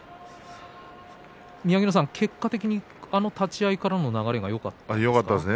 宮城野さん、結果的に立ち合いからの流れがよかったですね。